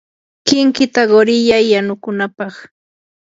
kinkita quriyay yanukunapaq.